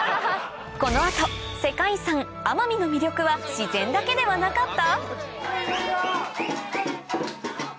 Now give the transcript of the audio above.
この後世界遺産・奄美の魅力は自然だけではなかった？